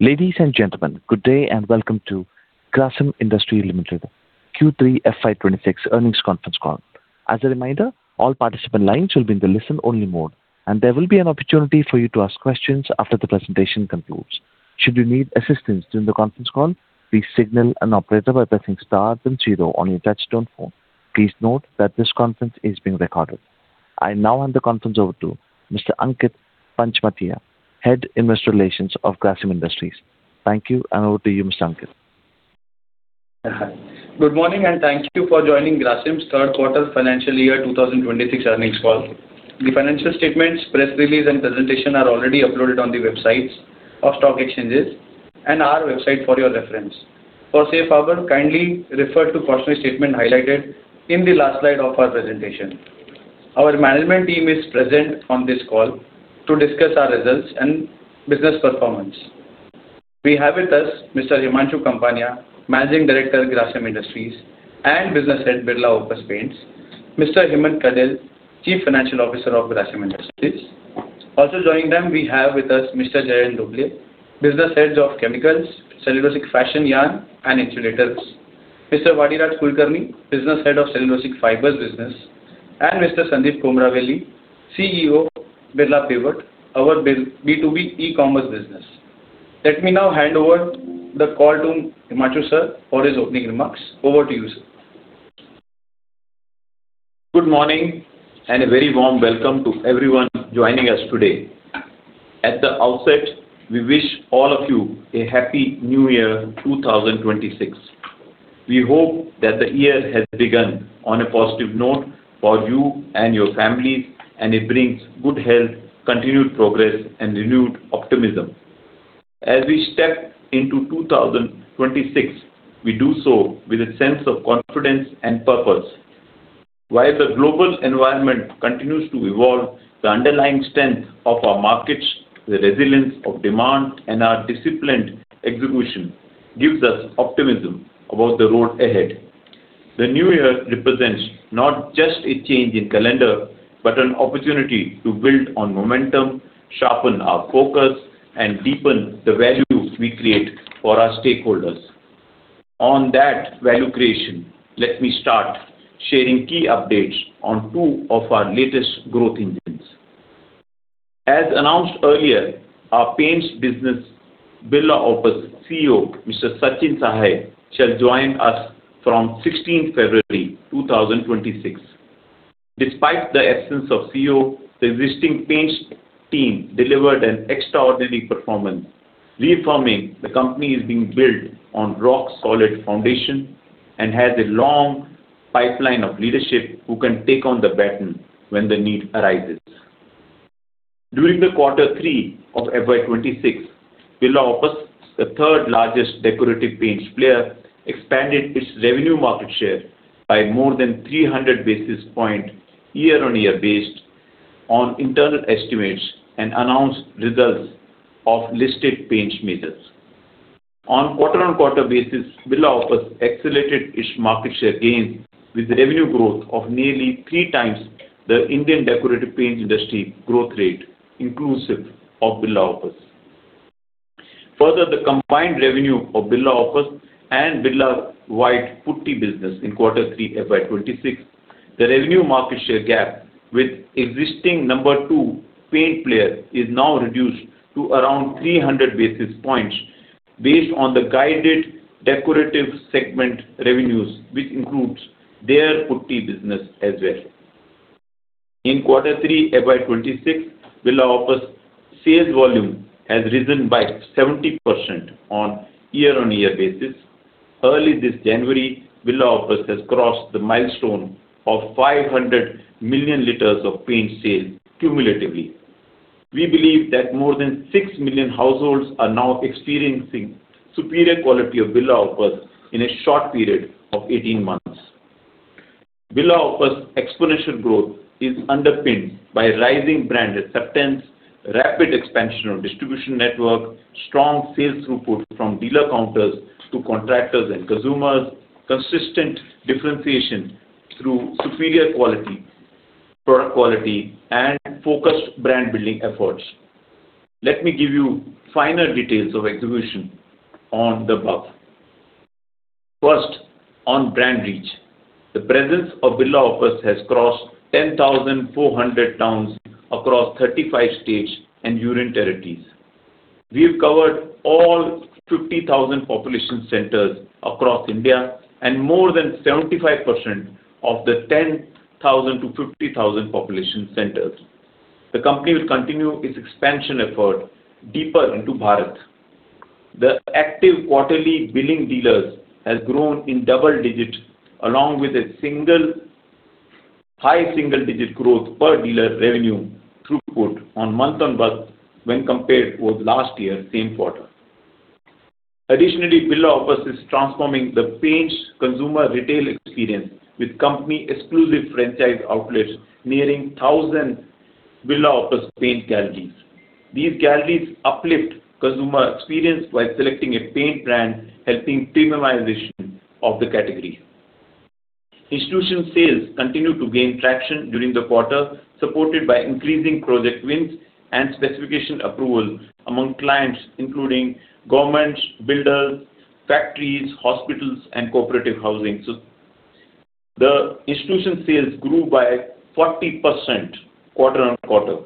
Ladies and gentlemen, good day, and welcome to Grasim Industries Limited Q3 FY 2026 earnings conference call. As a reminder, all participant lines will be in the listen-only mode, and there will be an opportunity for you to ask questions after the presentation concludes. Should you need assistance during the conference call, please signal an operator by pressing star then zero on your touchtone phone. Please note that this conference is being recorded. I now hand the conference over to Mr. Ankit Panchmatia, Head, Investor Relations of Grasim Industries. Thank you, and over to you, Mr. Ankit. Hi. Good morning, and thank you for joining Grasim's third quarter financial year 2026 earnings call. The financial statements, press release, and presentation are already uploaded on the websites of stock exchanges and our website for your reference. For safe harbor, kindly refer to cautionary statement highlighted in the last slide of our presentation. Our management team is present on this call to discuss our results and business performance. We have with us Mr. Himanshu Kapania, Managing Director, Grasim Industries, and Business Head, Birla Opus Paints. Mr. Hemant Kadel, Chief Financial Officer of Grasim Industries. Also joining them, we have with us Mr. Jayant Dhobley, Business Head of Chemicals, Cellulosic Fashion Yarn, and Insulators. Mr. Vadiraj Kulkarni, Business Head of Cellulosic Fibers Business. And Mr. Sandeep Komaravelly, CEO, Birla Pivot, our B2B e-commerce business. Let me now hand over the call to Himanshu, sir, for his opening remarks. Over to you, sir. Good morning, and a very warm welcome to everyone joining us today. At the outset, we wish all of you a Happy New Year, 2026. We hope that the year has begun on a positive note for you and your families, and it brings good health, continued progress, and renewed optimism. As we step into 2026, we do so with a sense of confidence and purpose. While the global environment continues to evolve, the underlying strength of our markets, the resilience of demand, and our disciplined execution gives us optimism about the road ahead. The new year represents not just a change in calendar, but an opportunity to build on momentum, sharpen our focus, and deepen the value we create for our stakeholders. On that value creation, let me start sharing key updates on two of our latest growth engines. As announced earlier, our paints business, Birla Opus CEO, Mr. Sachin Sahay, shall join us from 16th February 2026. Despite the absence of CEO, the existing paints team delivered an extraordinary performance, reaffirming the company is being built on rock-solid foundation and has a long pipeline of leadership who can take on the baton when the need arises. During quarter 3 of FY 2026, Birla Opus, the third largest decorative paints player, expanded its revenue market share by more than 300 basis points year-on-year, based on internal estimates and announced results of listed paints majors. On quarter-on-quarter basis, Birla Opus accelerated its market share gains with revenue growth of nearly 3 times the Indian decorative paints industry growth rate, inclusive of Birla Opus. Further, the combined revenue of Birla Opus and Birla White putty business in quarter three, FY 2026, the revenue market share gap with existing number two paint player is now reduced to around 300 basis points, based on the guided decorative segment revenues, which includes their putty business as well. In quarter three, FY 2026, Birla Opus sales volume has risen by 70% on year-on-year basis. Early this January, Birla Opus has crossed the milestone of 500 million liters of paint sales cumulatively. We believe that more than 6 million households are now experiencing superior quality of Birla Opus in a short period of 18 months. Birla Opus' exponential growth is underpinned by rising brand acceptance, rapid expansion of distribution network, strong sales throughput from dealer counters to contractors and consumers, consistent differentiation through superior quality, product quality, and focused brand-building efforts. Let me give you finer details of execution on the above. First, on brand reach. The presence of Birla Opus has crossed 10,400 towns across 35 states and union territories. We have covered all 50,000 population centers across India and more than 75% of the 10,000-50,000 population centers. The company will continue its expansion effort deeper into Bharat. The active quarterly billing dealers has grown in double digits, along with a single high single-digit growth per dealer revenue throughput on month-on-month when compared with last year, same quarter. Additionally, Birla Opus is transforming the paints consumer retail experience with company exclusive franchise outlets, nearing 1,000 Birla Opus paint galleries. These galleries uplift consumer experience while selecting a paint brand, helping premiumization of the category. Institutional sales continued to gain traction during the quarter, supported by increasing project wins and specification approval among clients, including governments, builders, factories, hospitals, and cooperative housing. So the institutional sales grew by 40% quarter-on-quarter.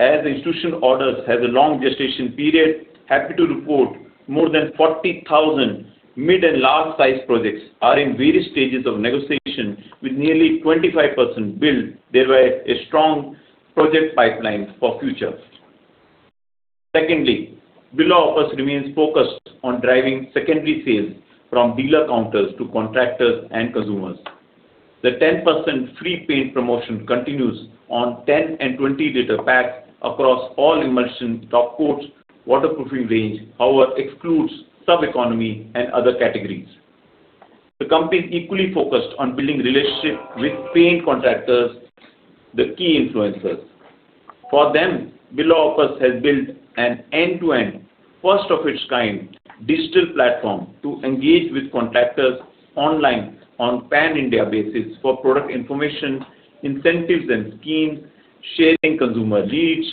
As institution orders has a long gestation period, happy to report more than 40,000 mid and large-size projects are in various stages of negotiation, with nearly 25% built, thereby a strong project pipeline for future. Secondly, Birla Opus remains focused on driving secondary sales from dealer counters to contractors and consumers. The 10% free paint promotion continues on 10- and 20-liter packs across all emulsion top coats, waterproofing range. However, excludes sub-economy and other categories. The company is equally focused on building relationships with paint contractors, the key influencers. For them, Birla Opus has built an end-to-end, first of its kind, digital platform to engage with contractors online on pan-India basis for product information, incentives and schemes, sharing consumer leads,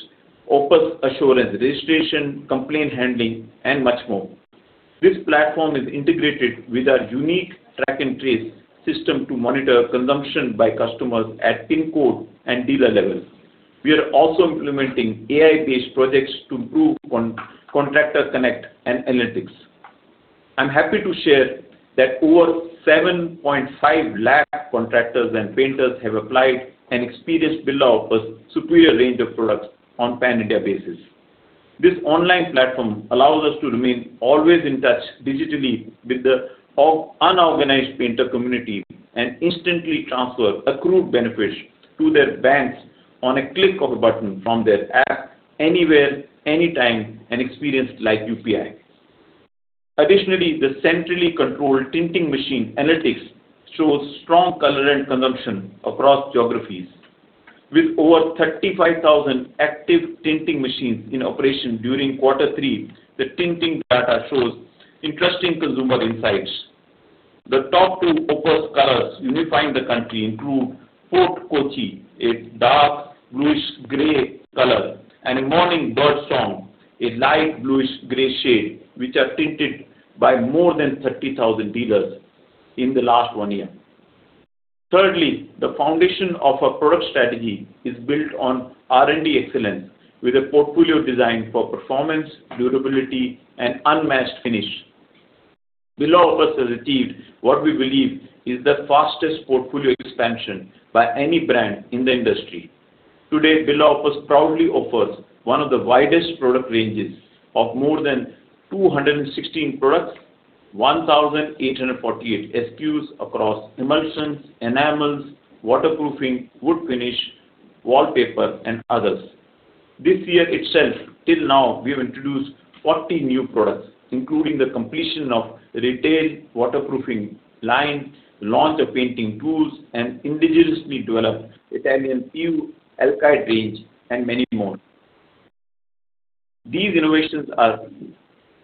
Opus Assurance registration, complaint handling, and much more. This platform is integrated with our unique track and trace system to monitor consumption by customers at pin code and dealer levels. We are also implementing AI-based projects to improve contractor connect and analytics. I'm happy to share that over 7.5 lakh contractors and painters have applied and experienced Birla Opus superior range of products on pan-India basis. This online platform allows us to remain always in touch digitally with the unorganized painter community, and instantly transfer accrued benefits to their banks on a click of a button from their app anywhere, anytime, and experience like UPI. Additionally, the centrally controlled tinting machine analytics shows strong colorant consumption across geographies. With over 35,000 active tinting machines in operation during quarter three, the tinting data shows interesting consumer insights. The top two Opus colors unifying the country include Fort Kochi, a dark bluish gray color, and a Morning Birdsong, a light bluish gray shade, which are tinted by more than 30,000 dealers in the last one year. Thirdly, the foundation of our product strategy is built on R&D excellence, with a portfolio designed for performance, durability, and unmatched finish. Birla Opus has achieved what we believe is the fastest portfolio expansion by any brand in the industry. Today, Birla Opus proudly offers one of the widest product ranges of more than 216 products, 1,848 SKUs across emulsions, enamels, waterproofing, wood finish, wallpaper, and others. This year itself, till now, we have introduced 40 new products, including the completion of retail waterproofing line, launch of painting tools, and indigenously developed Italian PU alkyd range, and many more. These innovations are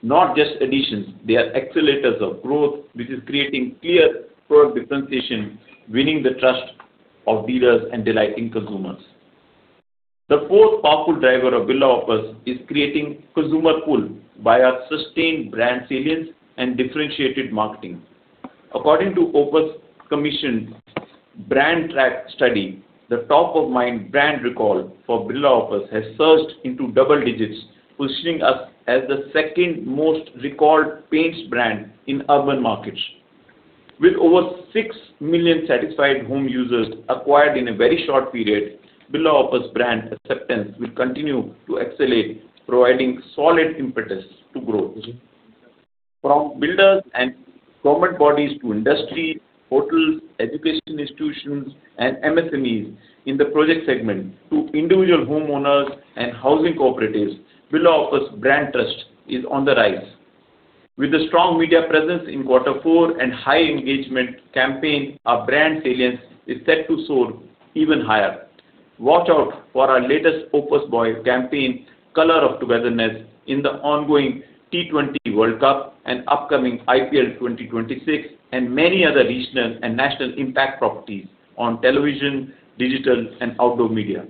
not just additions, they are accelerators of growth, which is creating clear product differentiation, winning the trust of dealers and delighting consumers. The fourth powerful driver of Birla Opus is creating consumer pull by our sustained brand salience and differentiated marketing. According to Opus commissioned brand track study, the top-of-mind brand recall for Birla Opus has surged into double digits, positioning us as the second most recalled paints brand in urban markets. With over 6 million satisfied home users acquired in a very short period, Birla Opus brand acceptance will continue to accelerate, providing solid impetus to growth. From builders and government bodies to industry, hotels, education institutions, and MSMEs in the project segment, to individual homeowners and housing cooperatives, Birla Opus brand trust is on the rise. With a strong media presence in quarter four and high engagement campaign, our brand salience is set to soar even higher. Watch out for our latest Opus Boy campaign, Color of Togetherness, in the ongoing T20 World Cup and upcoming IPL 2026, and many other regional and national impact properties on television, digital, and outdoor media.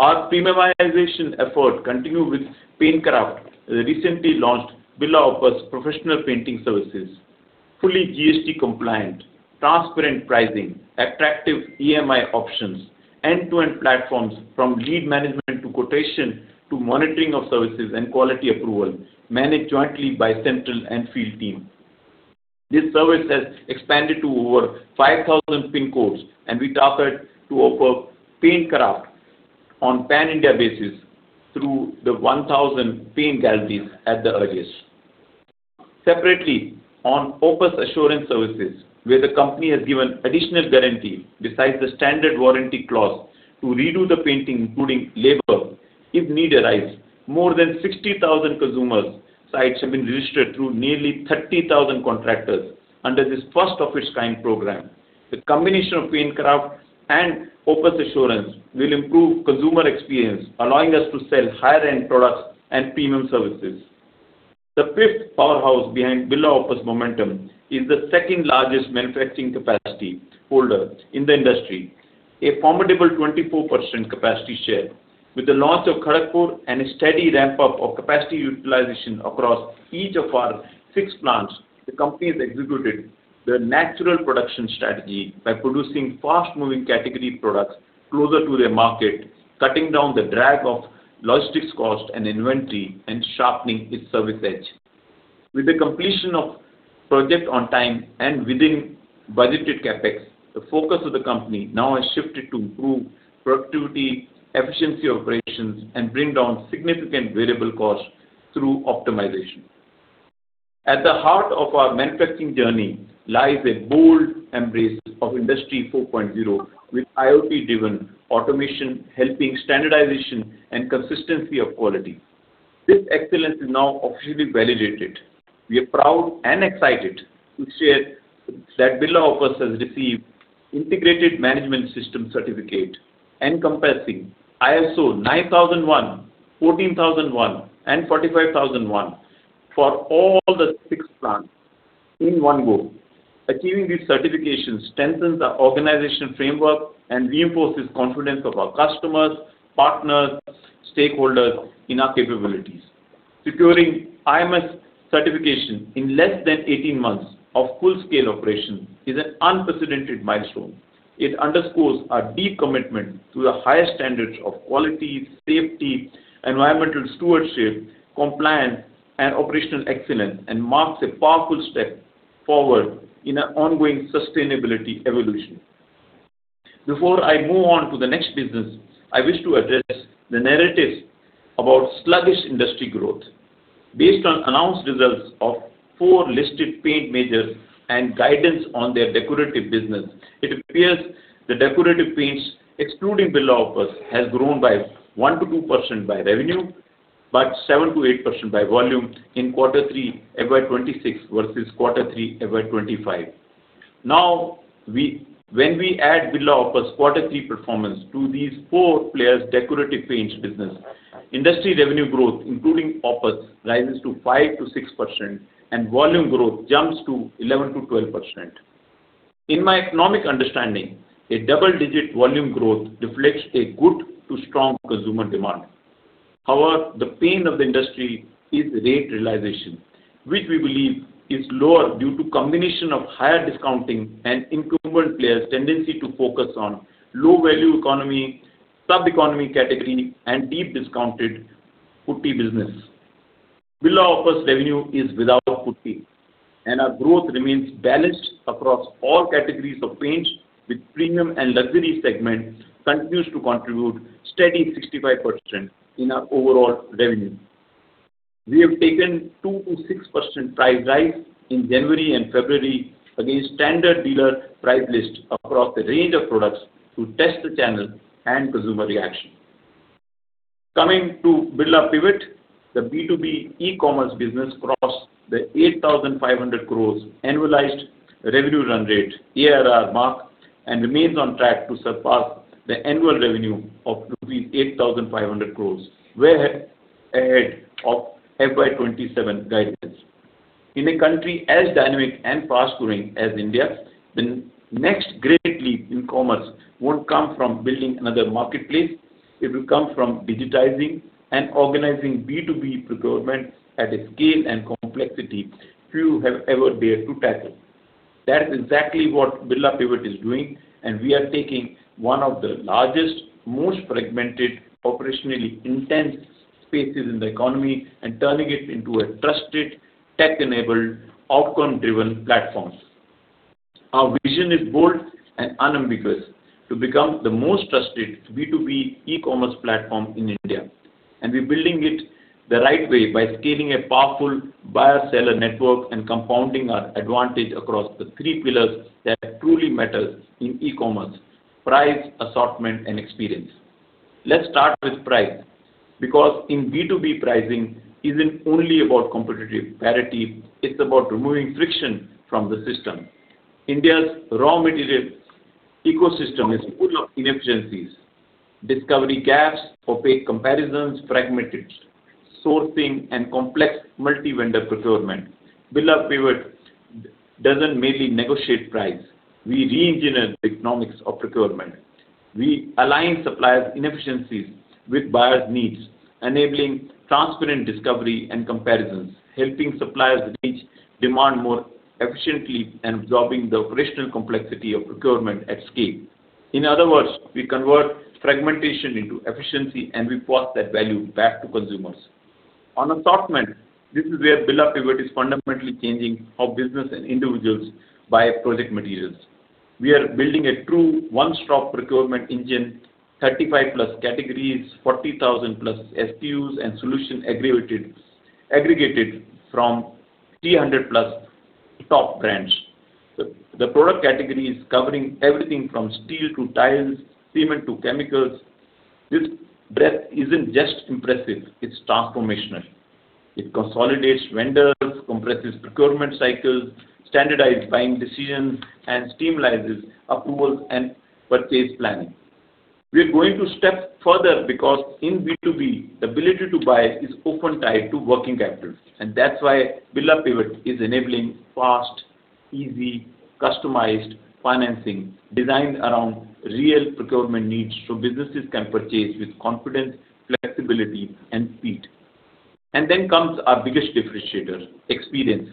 Our premiumization effort continue with PaintCraft, the recently launched Birla Opus professional painting services. Fully GST compliant, transparent pricing, attractive EMI options, end-to-end platforms from lead management to quotation, to monitoring of services and quality approval, managed jointly by central and field team. This service has expanded to over 5,000 pin codes, and we target to offer PaintCraft on pan-India basis through the 1,000 paint galleries at the earliest. Separately, on Opus Assurance services, where the company has given additional guarantee besides the standard warranty clause to redo the painting, including labor, if need arise. More than 60,000 consumer sites have been registered through nearly 30,000 contractors under this first-of-its-kind program. The combination of PaintCraft and Opus Assurance will improve consumer experience, allowing us to sell higher-end products and premium services. The fifth powerhouse behind Birla Opus Momentum is the second largest manufacturing capacity holder in the industry, a formidable 24% capacity share. With the launch of Kharagpur and a steady ramp-up of capacity utilization across each of our six plants, the company has executed the natural production strategy by producing fast-moving category products closer to their market, cutting down the drag of logistics cost and inventory, and sharpening its service edge. With the completion of project on time and within budgeted CapEx, the focus of the company now has shifted to improve productivity, efficiency operations, and bring down significant variable costs through optimization. At the heart of our manufacturing journey lies a bold embrace of Industry 4.0, with IoT-driven automation, helping standardization and consistency of quality. This excellence is now officially validated. We are proud and excited to share that Birla Opus has received Integrated Management System certificate, encompassing ISO 9001, 14001, and 45001, for all the six plants in one go. Achieving these certifications strengthens our organizational framework and reinforces confidence of our customers, partners, stakeholders in our capabilities. Securing IMS certification in less than 18 months of full-scale operation is an unprecedented milestone. It underscores our deep commitment to the highest standards of quality, safety, environmental stewardship, compliance, and operational excellence, and marks a powerful step forward in our ongoing sustainability evolution. Before I move on to the next business, I wish to address the narratives about sluggish industry growth. Based on announced results of four listed paint majors and guidance on their decorative business, it appears the decorative paints, excluding Birla Opus, has grown by 1%-2% by revenue, but 7%-8% by volume in quarter 3, FY 2026 versus quarter 3, FY 2025. Now, when we add Birla Opus quarter 3 performance to these four players' decorative paints business, industry revenue growth, including Opus, rises to 5%-6%, and volume growth jumps to 11%-12%. In my economic understanding, a double-digit volume growth reflects a good to strong consumer demand. However, the pain of the industry is rate realization, which we believe is lower due to combination of higher discounting and incumbent players' tendency to focus on low-value economy, sub-economy category, and deep discounted putty business. Birla Opus revenue is without putty, and our growth remains balanced across all categories of paints, with premium and luxury segment continues to contribute steady 65% in our overall revenue. We have taken 2%-6% price rise in January and February against standard dealer price list across a range of products to test the channel and consumer reaction. Coming to Birla Pivot, the B2B e-commerce business crossed the 8,500 crores annualized revenue run rate, ARR mark, and remains on track to surpass the annual revenue of rupees 8,500 crores, way ahead of FY 2027 guidance. In a country as dynamic and fast-growing as India, the next great leap in commerce won't come from building another marketplace. It will come from digitizing and organizing B2B procurement at a scale and complexity few have ever dared to tackle. That's exactly what Birla Pivot is doing, and we are taking one of the largest, most fragmented, operationally intense spaces in the economy and turning it into a trusted, tech-enabled, outcome-driven platform. Our vision is bold and unambiguous: to become the most trusted B2B e-commerce platform in India, and we're building it the right way by scaling a powerful buyer-seller network and compounding our advantage across the three pillars that truly matters in e-commerce: price, assortment, and experience. Let's start with price, because in B2B, pricing isn't only about competitive parity, it's about removing friction from the system. India's raw materials ecosystem is full of inefficiencies, discovery gaps, opaque comparisons, fragmented sourcing, and complex multi-vendor procurement. Birla Pivot doesn't merely negotiate price, we reengineer the economics of procurement. We align suppliers' inefficiencies with buyers' needs, enabling transparent discovery and comparisons, helping suppliers reach demand more efficiently, and absorbing the operational complexity of procurement at scale. In other words, we convert fragmentation into efficiency, and we pass that value back to consumers. On assortment, this is where Birla Pivot is fundamentally changing how business and individuals buy project materials. We are building a true one-stop procurement engine, 35+ categories, 40,000+ SKUs, and solution aggregated, aggregated from 300+ top brands. The product category is covering everything from steel to tiles, cement to chemicals. This breadth isn't just impressive, it's transformational. It consolidates vendors, compresses procurement cycles, standardizes buying decisions, and streamlines approvals and purchase planning... We're going to step further because in B2B, the ability to buy is often tied to working capital, and that's why Birla Pivot is enabling fast, easy, customized financing designed around real procurement needs, so businesses can purchase with confidence, flexibility, and speed. And then comes our biggest differentiator, experience.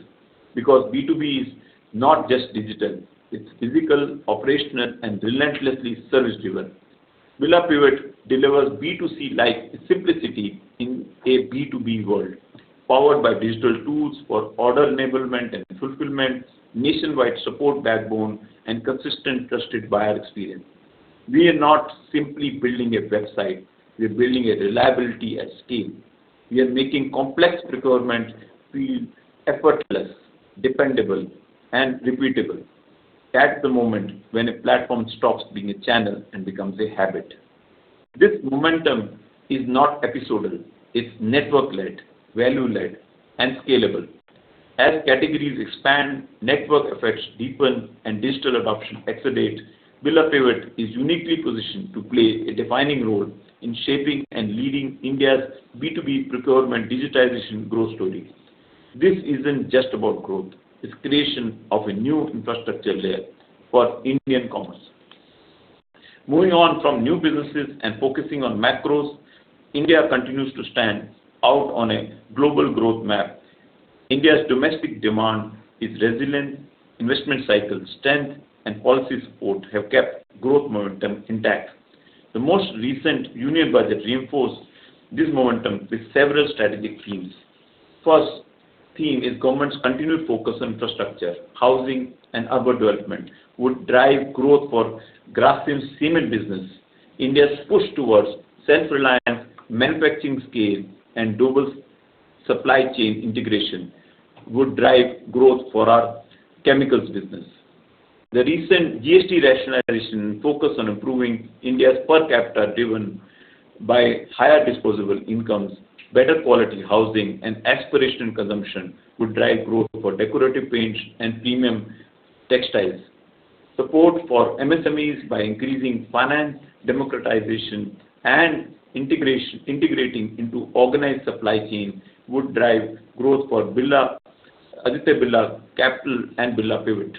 Because B2B is not just digital, it's physical, operational, and relentlessly service-driven. Birla Pivot delivers B2C-like simplicity in a B2B world, powered by digital tools for order enablement and fulfillment, nationwide support backbone, and consistent, trusted buyer experience. We are not simply building a website, we're building a reliability at scale. We are making complex procurement feel effortless, dependable, and repeatable. That's the moment when a platform stops being a channel and becomes a habit. This momentum is not episodic, it's network-led, value-led, and scalable. As categories expand, network effects deepen, and digital adoption accelerates, Birla Pivot is uniquely positioned to play a defining role in shaping and leading India's B2B procurement digitization growth story. This isn't just about growth; it's creation of a new infrastructure layer for Indian commerce. Moving on from new businesses and focusing on macros, India continues to stand out on a global growth map. India's domestic demand is resilient, investment cycle strength, and policy support have kept growth momentum intact. The most recent Union Budget reinforced this momentum with several strategic themes. First theme is government's continued focus on infrastructure, housing, and urban development would drive growth for Grasim's cement business. India's push towards self-reliant manufacturing scale and global supply chain integration would drive growth for our chemicals business. The recent GST rationalization focus on improving India's per capita, driven by higher disposable incomes, better quality housing, and aspirational consumption, would drive growth for decorative paints and premium textiles. Support for MSMEs by increasing finance, democratization, and integration, integrating into organized supply chains would drive growth for Birla, Aditya Birla Capital, and Birla Pivot.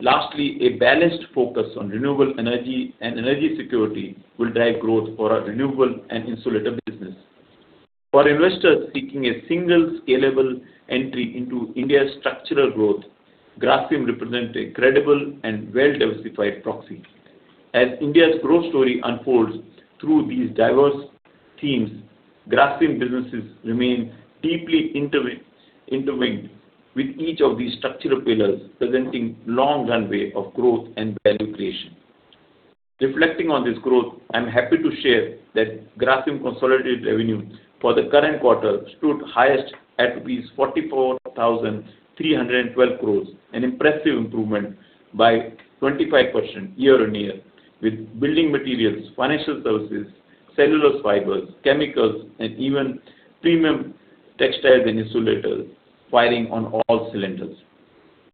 Lastly, a balanced focus on renewable energy and energy security will drive growth for our renewable and insulator business. For investors seeking a single scalable entry into India's structural growth, Grasim represent a credible and well-diversified proxy. As India's growth story unfolds through these diverse themes, Grasim businesses remain deeply interlinked with each of these structural pillars, presenting long runway of growth and value creation. Reflecting on this growth, I'm happy to share that Grasim consolidated revenue for the current quarter stood highest at 44,312 crore, an impressive improvement by 25% year-on-year, with building materials, financial services, cellulose fibers, chemicals, and even premium textiles and insulators firing on all cylinders.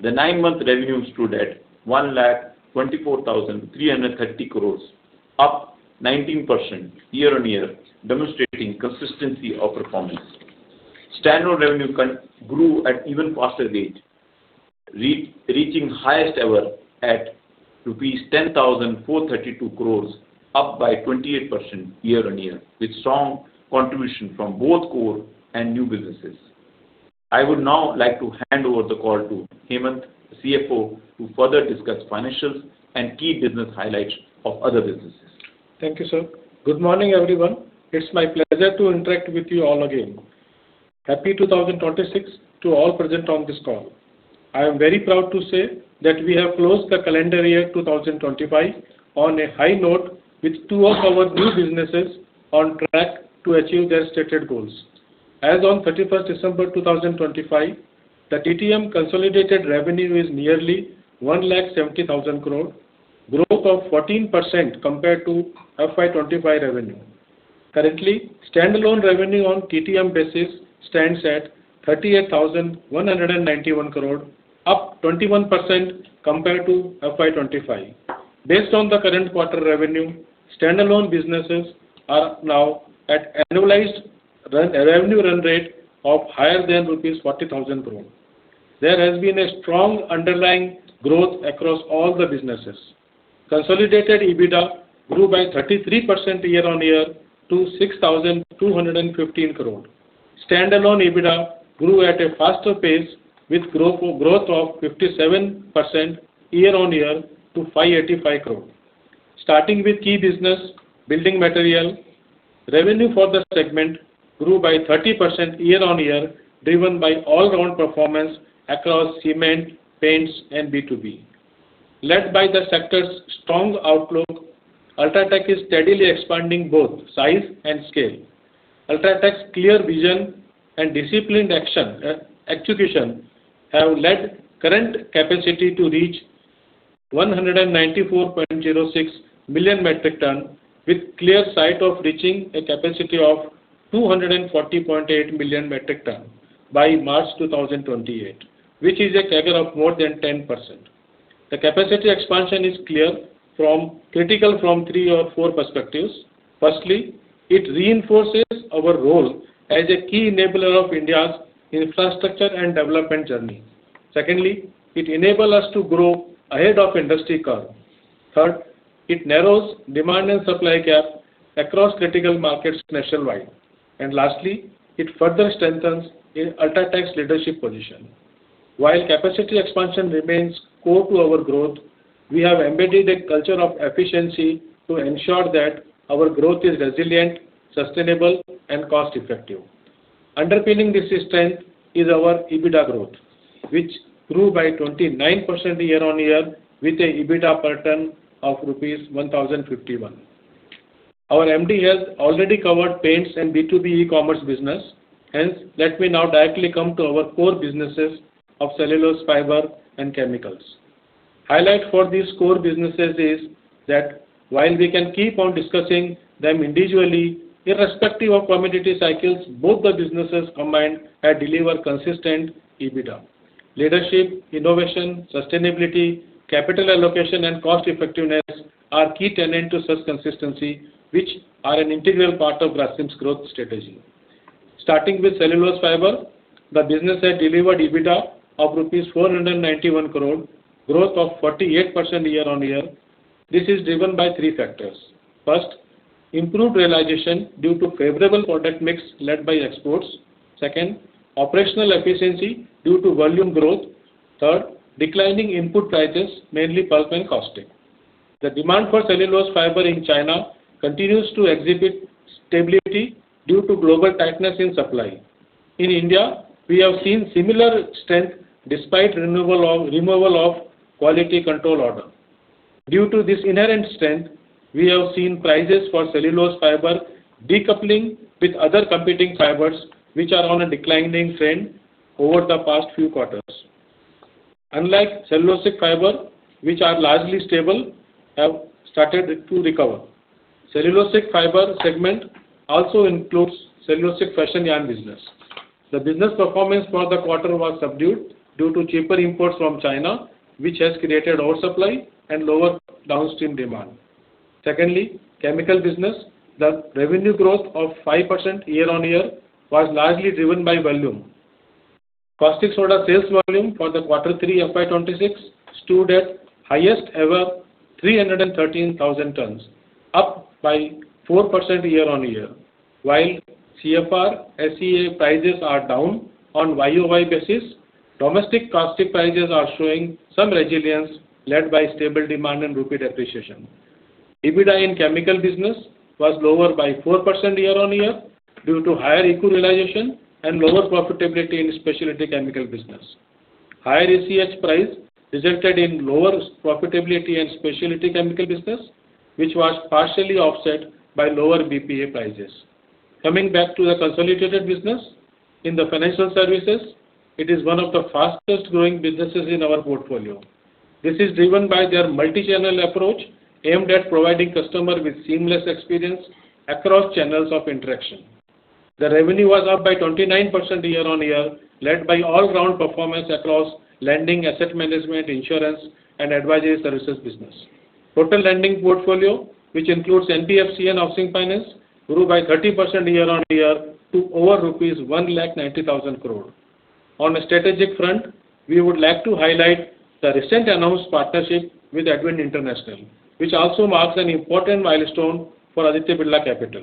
The nine-month revenue stood at 124,330 crore, up 19% year-on-year, demonstrating consistency of performance. Stand-alone revenue grew at even faster rate, reaching highest ever at rupees 10,432 crore, up by 28% year-on-year, with strong contribution from both core and new businesses. I would now like to hand over the call to Hemant, the CFO, to further discuss financials and key business highlights of other businesses. Thank you, sir. Good morning, everyone. It's my pleasure to interact with you all again. Happy 2026 to all present on this call. I am very proud to say that we have closed the calendar year 2025 on a high note, with two of our new businesses on track to achieve their stated goals. As on 31 December 2025, the TTM consolidated revenue is nearly 1,70,000 crore, growth of 14% compared to FY 2025 revenue. Currently, standalone revenue on TTM basis stands at 38,191 crore, up 21% compared to FY 2025. Based on the current quarter revenue, standalone businesses are now at annualized run, revenue run rate of higher than rupees 40,000 crore. There has been a strong underlying growth across all the businesses. Consolidated EBITDA grew by 33% year-on-year to 6,215 crore. Stand-alone EBITDA grew at a faster pace, with growth of 57% year-on-year to 585 crore. Starting with key business, building material. Revenue for the segment grew by 30% year-on-year, driven by all-round performance across cement, paints, and B2B. Led by the sector's strong outlook, UltraTech is steadily expanding both size and scale. UltraTech's clear vision and disciplined action, execution have led current capacity to reach 194.06 million metric tons, with clear sight of reaching a capacity of 240.8 million metric tons by March 2028, which is a CAGR of more than 10%. The capacity expansion is clear from, critical from three or four perspectives. Firstly, it reinforces our role as a key enabler of India's infrastructure and development journey. Secondly, it enable us to grow ahead of industry curve. Third, it narrows demand and supply gap across critical markets nationwide. And lastly, it further strengthens UltraTech leadership position. While capacity expansion remains core to our growth, we have embedded a culture of efficiency to ensure that our growth is resilient, sustainable, and cost effective. Underpinning this strength is our EBITDA growth, which grew by 29% year-on-year, with a EBITDA per ton of rupees 1,051. Our MD has already covered paints and B2B e-commerce business, hence, let me now directly come to our core businesses of cellulose fiber and chemicals. Highlight for these core businesses is that while we can keep on discussing them individually, irrespective of commodity cycles, both the businesses combined have delivered consistent EBITDA. Leadership, innovation, sustainability, capital allocation, and cost effectiveness are key tenet to such consistency, which are an integral part of Grasim's growth strategy. Starting with cellulose fiber, the business had delivered EBITDA of 491 crore rupees, growth of 48% year-on-year. This is driven by three factors: First, improved realization due to favorable product mix led by exports. Second, operational efficiency due to volume growth. Third, declining input prices, mainly pulp and caustic. The demand for cellulose fiber in China continues to exhibit stability due to global tightness in supply. In India, we have seen similar strength despite removal of Quality Control Order. Due to this inherent strength, we have seen prices for cellulose fiber decoupling with other competing fibers, which are on a declining trend over the past few quarters. Unlike cellulosic fiber, which are largely stable, have started to recover. Cellulosic fiber segment also includes cellulosic fashion yarn business. The business performance for the quarter was subdued due to cheaper imports from China, which has created oversupply and lower downstream demand. Secondly, chemical business. The revenue growth of 5% year-on-year was largely driven by volume. Caustic soda sales volume for the Quarter Three FY 2026 stood at highest ever 313,000 tons, up by 4% year-on-year. While CFR SEA prices are down on YoY basis, domestic caustic prices are showing some resilience, led by stable demand and rupee appreciation. EBITDA in chemical business was lower by 4% year-on-year due to higher ECU realization and lower profitability in specialty chemical business. Higher ECH price resulted in lower profitability in specialty chemical business, which was partially offset by lower BPA prices. Coming back to the consolidated business, in the financial services, it is one of the fastest growing businesses in our portfolio. This is driven by their multi-channel approach, aimed at providing customer with seamless experience across channels of interaction. The revenue was up by 29% year-on-year, led by all-round performance across lending, asset management, insurance, and advisory services business. Total lending portfolio, which includes NBFC and Housing Finance, grew by 30% year-on-year to over rupees 190,000 crore. On a strategic front, we would like to highlight the recent announced partnership with Advent International, which also marks an important milestone for Aditya Birla Capital.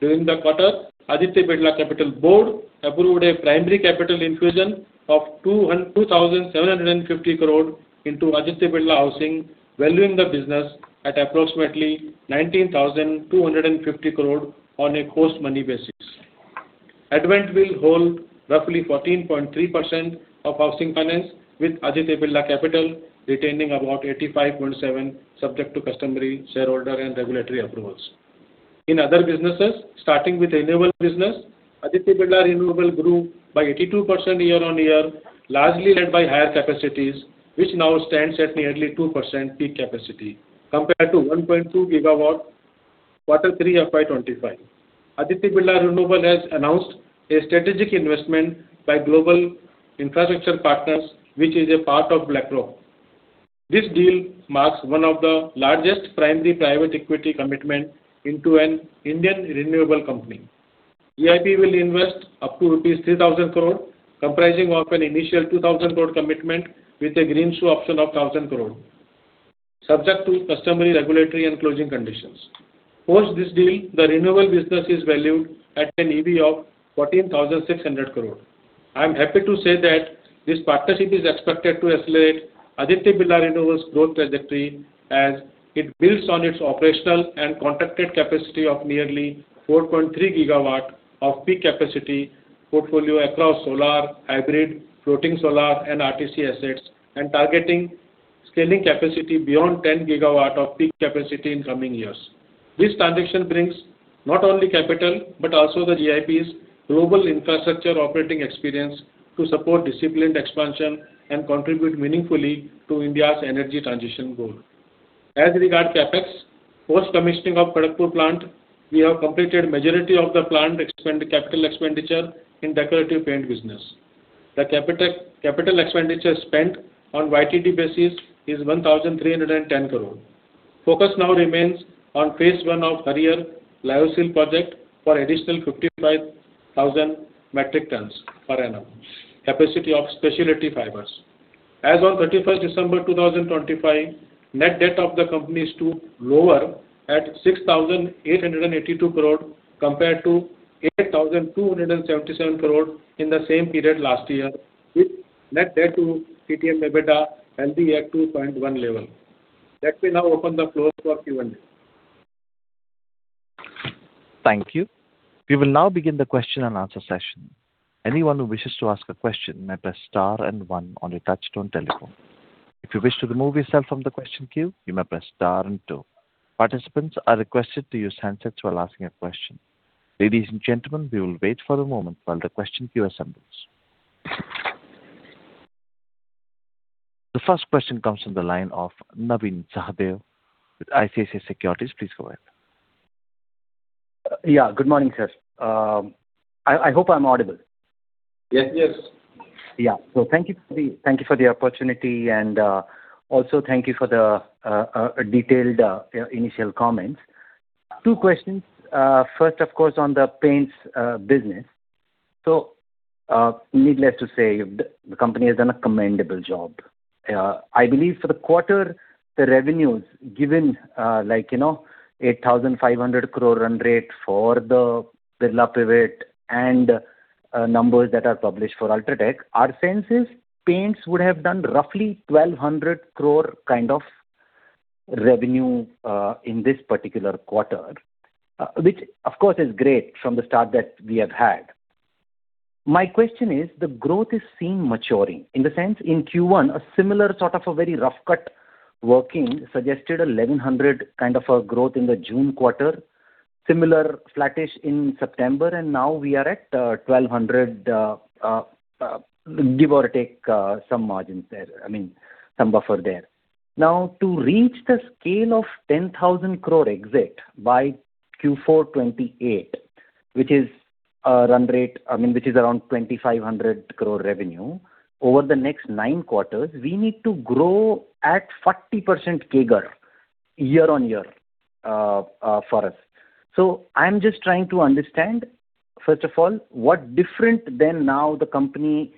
During the quarter, Aditya Birla Capital Board approved a primary capital infusion of 2,750 crore into Aditya Birla Housing Finance, valuing the business at approximately 19,250 crore on a pre-money basis. Advent International will hold roughly 14.3% of Housing Finance, with Aditya Birla Capital retaining about 85.7%, subject to customary shareholder and regulatory approvals. In other businesses, starting with renewables business, Aditya Birla Renewables grew by 82% year-over-year, largely led by higher capacities, which now stands at nearly 2 GW peak capacity, compared to 1.2 GW Quarter Three FY 2025. Aditya Birla Renewables has announced a strategic investment by Global Infrastructure Partners, which is a part of BlackRock. This deal marks one of the largest primary private equity commitment into an Indian renewable company. GIP will invest up to rupees 3,000 crore, comprising of an initial 2,000 crore commitment with a greenshoe option of 1,000 crore, subject to customary regulatory and closing conditions. Post this deal, the renewable business is valued at an EV of 14,600 crore. I'm happy to say that this partnership is expected to escalate Aditya Birla Renewables' growth trajectory as it builds on its operational and contracted capacity of nearly 4.3 GW of peak capacity portfolio across solar, hybrid, floating solar, and RTC assets, and targeting scaling capacity beyond 10 GW of peak capacity in coming years. This transition brings not only capital, but also GIP's global infrastructure operating experience to support disciplined expansion and contribute meaningfully to India's energy transition goal. As regards CapEx, post commissioning of Kharagpur plant, we have completed majority of the plant expenditure, capital expenditure in decorative paint business. The capital expenditure spent on YTD basis is 1,310 crore. Focus now remains on phase one of greenfield lyocell project for additional 55,000 metric tons per annum capacity of specialty fibers. As on thirty-first December 2025, net debt of the company is lower at 6,882 crore compared to 8,277 crore in the same period last year, with net debt to EBITDA at 2.1 level. Let me now open the floor for Q&A. Thank you. We will now begin the question and answer session. Anyone who wishes to ask a question may press star and one on your touchtone telephone. If you wish to remove yourself from the question queue, you may press star and two. Participants are requested to use handsets while asking a question. Ladies and gentlemen, we will wait for a moment while the question queue assembles. The first question comes from the line of Navin Sahadeo with ICICI Securities. Please go ahead. Yeah, good morning, sir. I hope I'm audible. Yes, yes. Yeah. So thank you for the, thank you for the opportunity, and, also thank you for the, detailed, initial comments. Two questions. First, of course, on the paints business. So, needless to say, the company has done a commendable job. I believe for the quarter, the revenues given, like, you know, 8,500 crore run rate for the Birla Pivot and, numbers that are published for UltraTech, our sense is, paints would have done roughly 1,200 crore kind of revenue, in this particular quarter, which of course, is great from the start that we have had. My question is, the growth is seen maturing. In the sense, in Q1, a similar sort of a very rough cut working suggested 1,100 kind of a growth in the June quarter, similar flattish in September, and now we are at, twelve hundred, give or take, some margins there, I mean, some buffer there. Now, to reach the scale of 10,000 crore exit by Q4 2028, which is a run rate, I mean, which is around 2,500 crore revenue, over the next 9 quarters, we need to grow at 40% CAGR year-on-year, for us. So I'm just trying to understand, first of all, what different then now the company,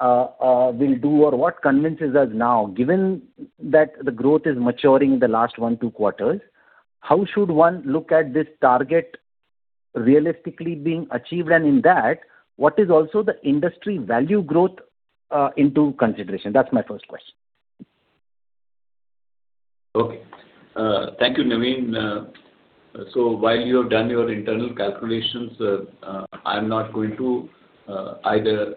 will do, or what convinces us now, given that the growth is maturing in the last one, two quarters, how should one look at this target realistically being achieved? In that, what is also the industry value growth into consideration? That's my first question. Okay. Thank you, Navin. So while you have done your internal calculations, I'm not going to either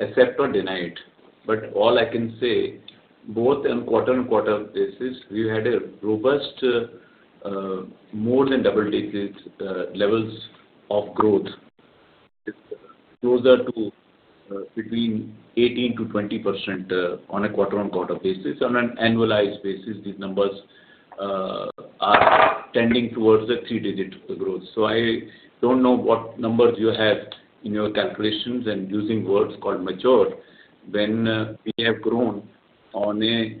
accept or deny it, but all I can say, both on quarter-on-quarter basis, we had a robust more than double digits levels of growth, closer to between 18%-20% on a quarter-on-quarter basis. On an annualized basis, these numbers are tending towards the three-digit growth. So I don't know what numbers you have in your calculations and using words called mature, when we have grown on a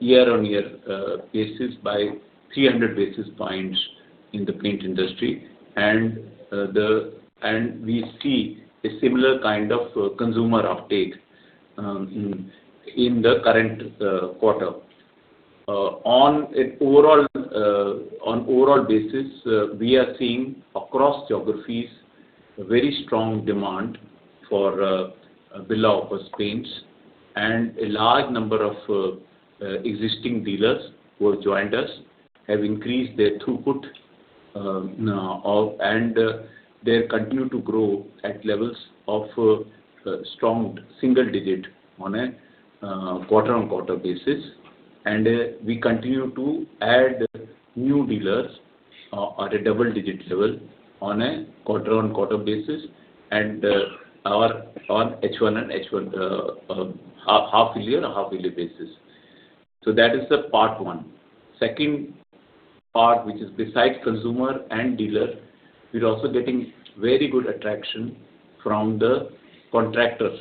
year-on-year basis by 300 basis points in the paint industry, and we see a similar kind of consumer uptake in the current quarter. On an overall basis, we are seeing across geographies a very strong demand for Birla paints, and a large number of existing dealers who have joined us have increased their throughput, and they continue to grow at levels of strong single-digit on a quarter-on-quarter basis. And we continue to add new dealers at a double-digit level on a quarter-on-quarter basis, and our on H1 and H1 half-yearly on half-yearly basis. So that is the part one. Second part, which is besides consumer and dealer, we're also getting very good attraction from the contractors.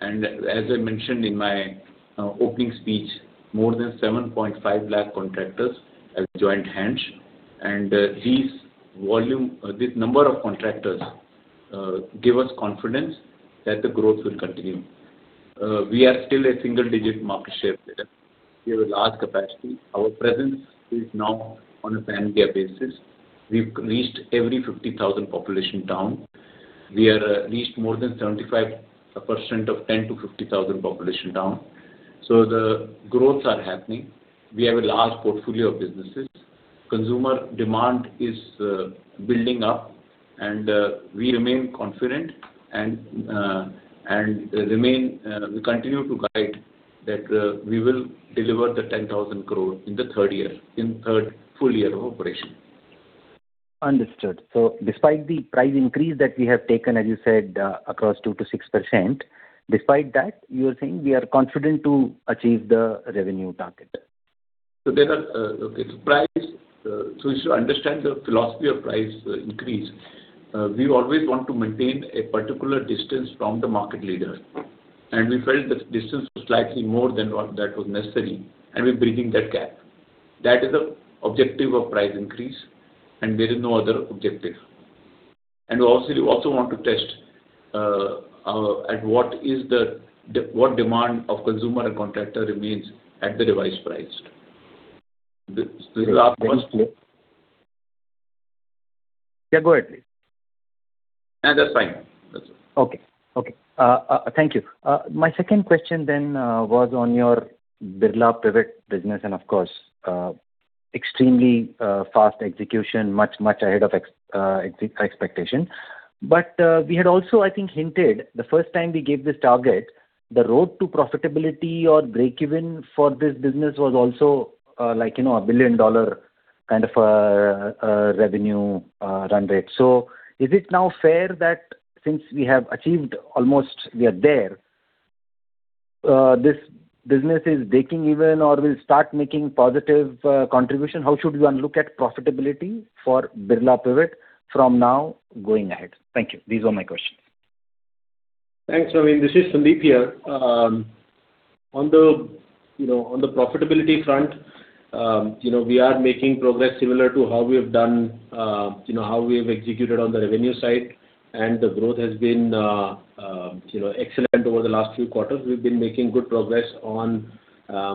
As I mentioned in my opening speech, more than 7.5 lakh contractors have joined hands, and these volume, this number of contractors give us confidence that the growth will continue. We are still a single-digit market share player. We have a large capacity. Our presence is now on a pan-India basis. We've reached every 50,000 population town. We are reached more than 75% of 10,000 to 50,000 population town. So the growths are happening. We have a large portfolio of businesses. Consumer demand is building up, and we remain confident and remain, we continue to guide that we will deliver the 10,000 crore in the third year, in third full year of operation. ...Understood. So despite the price increase that we have taken, as you said, across 2%-6%, despite that, you are saying we are confident to achieve the revenue target? So you should understand the philosophy of price increase. We always want to maintain a particular distance from the market leader, and we felt the distance was slightly more than what that was necessary, and we're bridging that gap. That is the objective of price increase, and there is no other objective. And we also want to test at what demand of consumer and contractor remains at the revised price. This is our first- Yeah, go ahead, please. No, that's fine. That's it. Okay. Okay. Thank you. My second question then was on your Birla Pivot business and of course, extremely fast execution, much, much ahead of expectation. But we had also, I think, hinted the first time we gave this target, the road to profitability or breakeven for this business was also, like, you know, a billion-dollar kind of revenue run rate. So is it now fair that since we have achieved almost we are there, this business is breaking even or will start making positive contribution? How should one look at profitability for Birla Pivot from now going ahead? Thank you. These are my questions. Thanks, Navin. This is Sandeep here. On the, you know, on the profitability front, you know, we are making progress similar to how we have done, you know, how we have executed on the revenue side, and the growth has been, you know, excellent over the last few quarters. We've been making good progress on,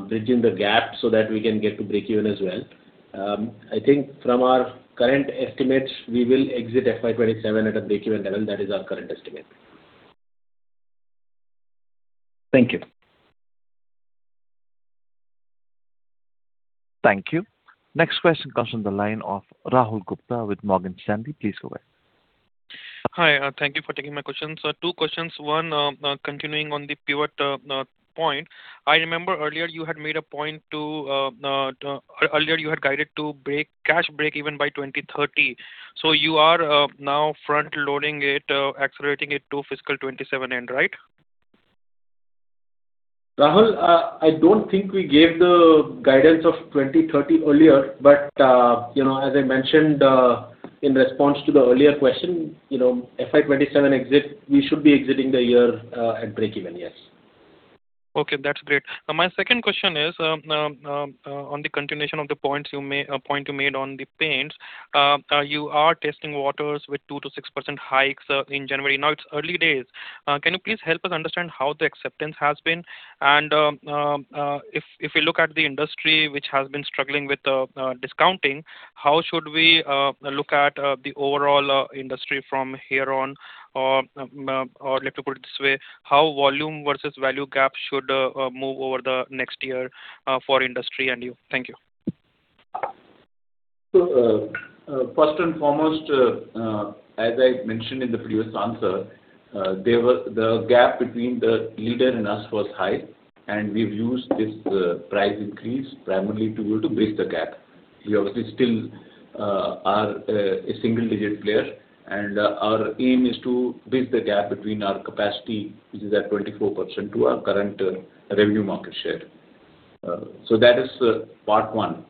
bridging the gap so that we can get to breakeven as well. I think from our current estimates, we will exit FY 2027 at a breakeven level. That is our current estimate. Thank you. Thank you. Next question comes from the line of Rahul Gupta with Morgan Stanley. Please go ahead. Hi, thank you for taking my questions. So two questions, one, continuing on the Pivot, point. I remember earlier you had guided to break cash breakeven by 2030. So you are now front loading it, accelerating it to fiscal 2027 end, right? Rahul, I don't think we gave the guidance of 2030 earlier, but, you know, as I mentioned, in response to the earlier question, you know, FY 2027 exit, we should be exiting the year, at breakeven, yes. Okay, that's great. My second question is, on the continuation of the points you made, a point you made on the paints. You are testing waters with 2%-6% hikes in January. Now, it's early days. Can you please help us understand how the acceptance has been? And, if you look at the industry, which has been struggling with discounting, how should we look at the overall industry from here on? Or, let me put it this way: how volume versus value gap should move over the next year, for industry and you? Thank you. So, first and foremost, as I mentioned in the previous answer, there was the gap between the leader and us was high, and we've used this price increase primarily to be able to bridge the gap. We obviously still are a single-digit player, and our aim is to bridge the gap between our capacity, which is at 24%, to our current revenue market share. So that is part one.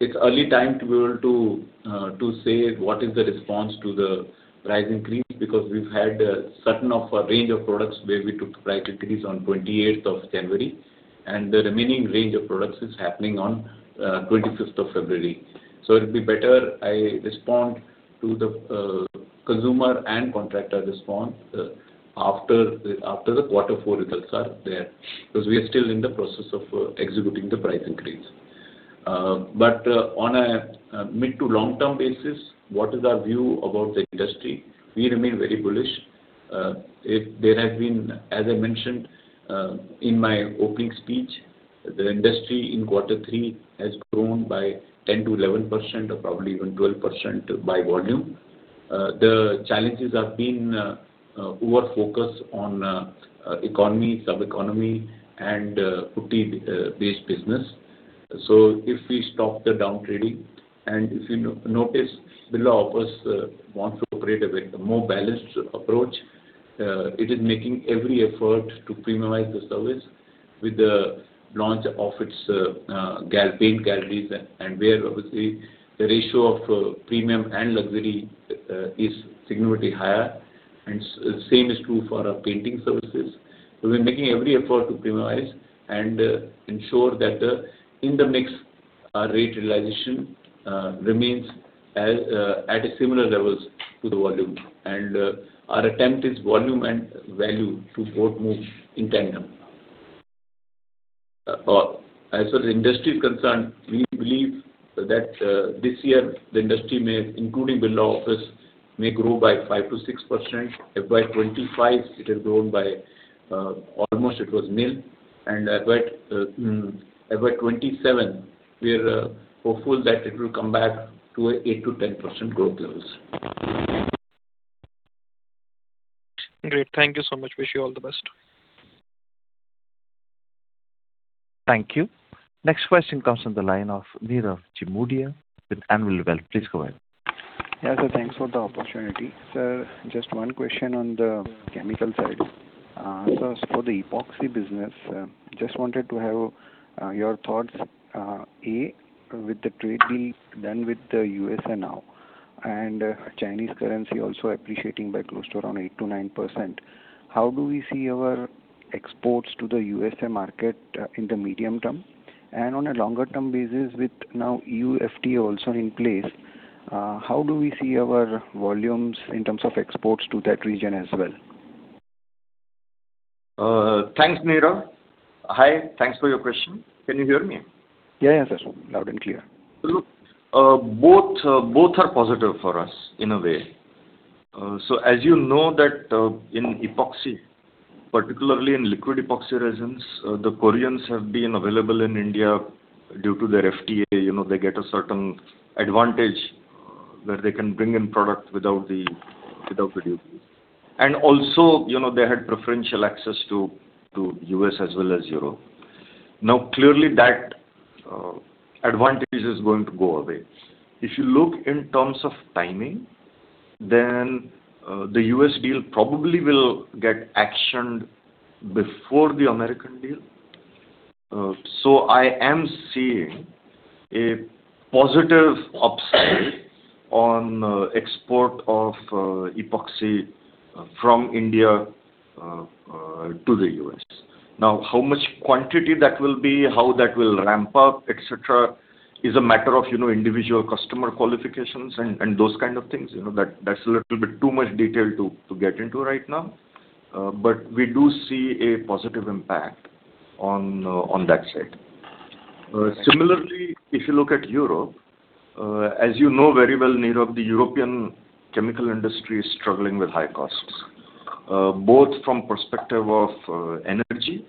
It's early time to be able to say what is the response to the price increase, because we've had a certain of a range of products where we took price increase on 28th of January, and the remaining range of products is happening on 25th of February. So it'd be better I respond to the, consumer and contractor response, after the, after the Quarter Four results are there, because we are still in the process of, executing the price increase. But, on a, a mid to long-term basis, what is our view about the industry? We remain very bullish. If there has been, as I mentioned, in my opening speech, the industry in Quarter Three has grown by 10%-11%, or probably even 12% by volume. The challenges have been, over-focus on, economy, sub-economy, and, putty, based business. So if we stop the downtrading, and if you notice, Birla Opus, wants to create a bit more balanced approach. It is making every effort to premiumize the service with the launch of its gallery paint galleries, and where obviously, the ratio of premium and luxury is significantly higher, and same is true for our painting services. We've been making every effort to premiumize and ensure that in the mix, our rate realization remains as at a similar levels to the volume. And our attempt is volume and value to both move in tandem. As far as industry is concerned, we believe that this year, the industry may, including Birla Opus, may grow by 5%-6%. FY 2025, it has grown by almost nil. And FY 2027, we are hopeful that it will come back to 8%-10% growth levels. Great. Thank you so much. Wish you all the best. Thank you. Next question comes from the line of Nirav Jimudia with Anvil Wealth. Please go ahead. Yeah, sir, thanks for the opportunity. Sir, just one question on the chemical side. So for the epoxy business, just wanted to have your thoughts, A, with the trade deal done with the USA now, and Chinese currency also appreciating by close to around 8%-9%, how do we see our exports to the USA market in the medium term? And on a longer term basis, with now EU FTA also in place, how do we see our volumes in terms of exports to that region as well? Thanks, Nirav. Hi, thanks for your question. Can you hear me? Yeah, yeah, sir. Loud and clear. Look, both, both are positive for us in a way. So as you know that, in epoxy, particularly in liquid epoxy resins, the Koreans have been available in India due to their FTA. You know, they get a certain advantage where they can bring in product without the, without the duty. And also, you know, they had preferential access to, to U.S. as well as Europe. Now, clearly, that, advantage is going to go away. If you look in terms of timing, then, the U.S. deal probably will get actioned before the American deal. So I am seeing a positive upside on, export of, epoxy from India, to the U.S. Now, how much quantity that will be, how that will ramp up, et cetera, is a matter of, you know, individual customer qualifications and, and those kind of things. You know, that's a little bit too much detail to get into right now. But we do see a positive impact on that side. Similarly, if you look at Europe, as you know very well, Nirav, the European chemical industry is struggling with high costs, both from perspective of energy,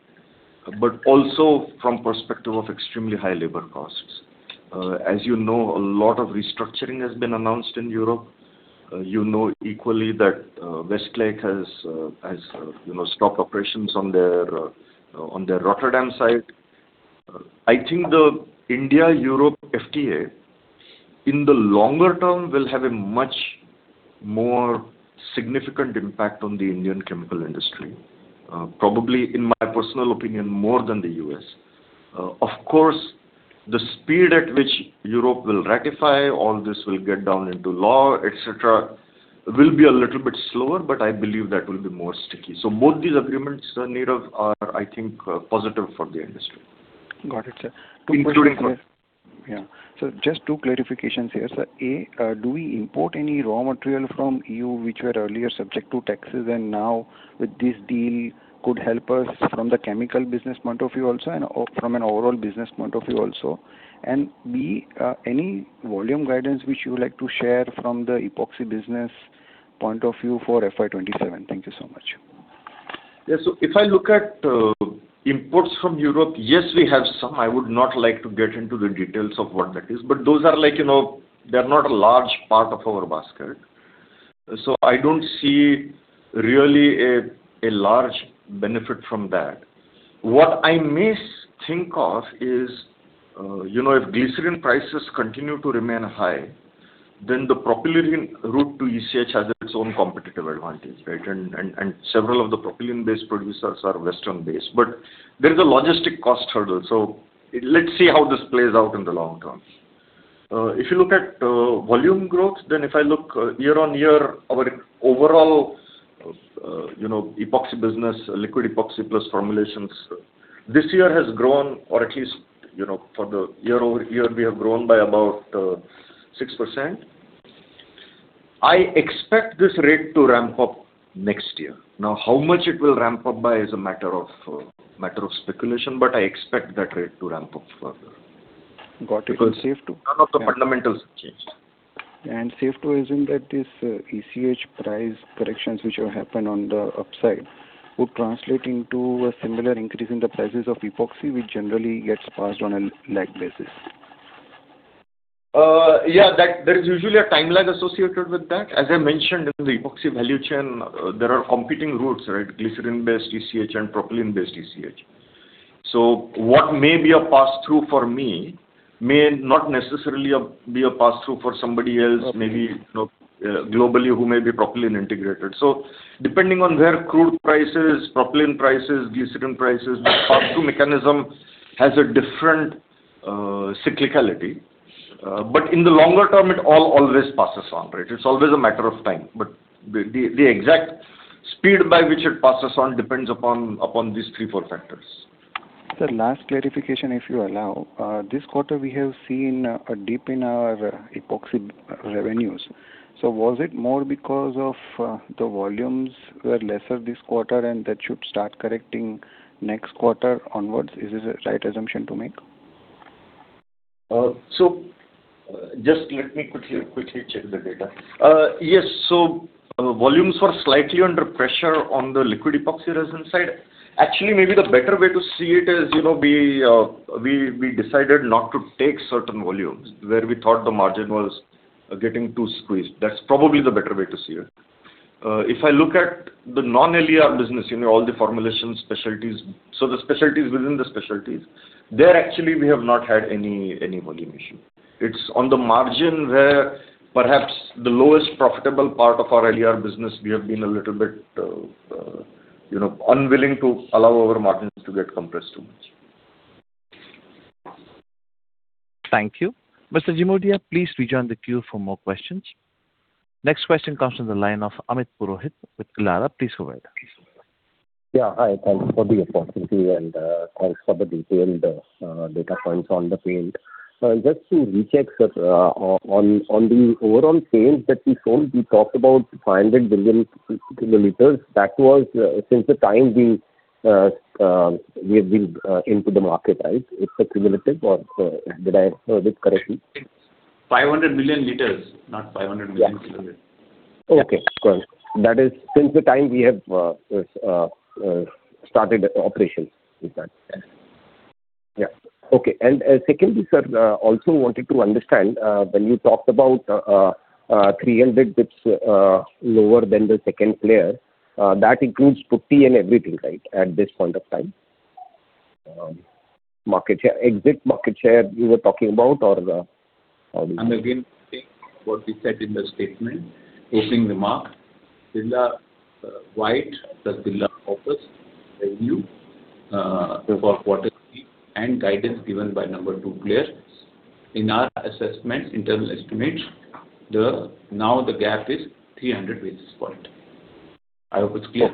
but also from perspective of extremely high labor costs. As you know, a lot of restructuring has been announced in Europe. You know equally that Westlake has stopped operations on their Rotterdam side. I think the India-Europe FTA, in the longer term, will have a much more significant impact on the Indian chemical industry, probably, in my personal opinion, more than the U.S. Of course, the speed at which Europe will ratify, all this will get down into law, et cetera, will be a little bit slower, but I believe that will be more sticky. So both these agreements, Nirav, are, I think, positive for the industry. Got it, sir. Including- Yeah. So just two clarifications here, sir. A, do we import any raw material from EU, which were earlier subject to taxes, and now with this deal, could help us from the chemical business point of view also and from an overall business point of view also? And, B, any volume guidance which you would like to share from the epoxy business point of view for FY 2027? Thank you so much. Yeah. So if I look at, imports from Europe, yes, we have some. I would not like to get into the details of what that is, but those are like, you know... They are not a large part of our basket, so I don't see really a large benefit from that. What I may think of is, you know, if glycerin prices continue to remain high, then the propylene route to ECH has its own competitive advantage, right? And several of the propylene-based producers are Western-based. But there is a logistic cost hurdle, so let's see how this plays out in the long term. If you look at, volume growth, then if I look year-on-year, our overall, you know, epoxy business, liquid epoxy plus formulations, this year has grown, or at least, you know, for the year-over-year, we have grown by about, 6%. I expect this rate to ramp up next year. Now, how much it will ramp up by is a matter of, matter of speculation, but I expect that rate to ramp up further. Got it. Is it safe to- None of the fundamentals have changed. Safe to assume that this ECH price corrections, which will happen on the upside, would translate into a similar increase in the prices of epoxy, which generally gets passed on a lag basis? Yeah, that. There is usually a time lag associated with that. As I mentioned, in the epoxy value chain, there are competing routes, right? Glycerin-based ECH and propylene-based ECH. So what may be a pass-through for me may not necessarily be a pass-through for somebody else. Okay. Maybe, you know, globally, who may be propylene integrated. So depending on where crude prices, propylene prices, glycerin prices, the pass-through mechanism has a different, cyclicality. But in the longer term, it all always passes on, right? It's always a matter of time, but the exact speed by which it passes on depends upon these three, four factors. Sir, last clarification, if you allow. This quarter, we have seen a dip in our epoxy revenues. So was it more because of the volumes were lesser this quarter, and that should start correcting next quarter onwards? Is this a right assumption to make? So just let me quickly check the data. Yes, so volumes were slightly under pressure on the liquid epoxy resin side. Actually, maybe the better way to see it is, you know, we decided not to take certain volumes, where we thought the margin was getting too squeezed. That's probably the better way to see it. If I look at the non-LER business, you know, all the formulations, specialties. So the specialties within the specialties, there actually we have not had any volume issue. It's on the margin where perhaps the lowest profitable part of our LER business, we have been a little bit, you know, unwilling to allow our margins to get compressed too much. Thank you. Mr. Jimudia, please rejoin the queue for more questions. Next question comes from the line of Amit Purohit with Elara. Please go ahead. Yeah, hi, thanks for the opportunity and thanks for the detailed data points on the paint. Just to recheck, sir, on the overall paint that we sold, we talked about 500 billion milliliters. That was since the time we have been into the market, right? It's a cumulative or did I hear this correctly? 500 million liters, not 500 million milliliters. Okay, got it. That is since the time we have started operations, is that? Yeah. Okay. And, secondly, sir, also wanted to understand, when you talked about 300 bps lower than the second player, that includes putty and everything, right, at this point of time? Market share, exit market share you were talking about or, how do you- I'm again saying what we said in the statement, opening remark, Birla White, plus Birla Opus revenue for quarter three, and guidance given by number two player. In our assessment, in terms of estimates, then now the gap is 300 basis points. I hope it's clear.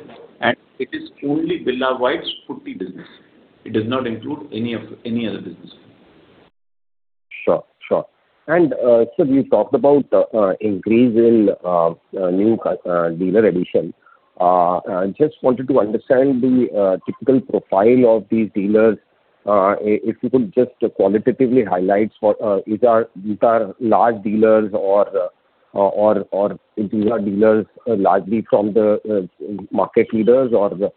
It is only Birla White's putty business. It does not include any of, any other business. Sure, sure. And, sir, you talked about increase in new dealer addition. I just wanted to understand the typical profile of these dealers. If you could just qualitatively highlight for these are, these are large dealers or, or these are dealers largely from the market leaders, or,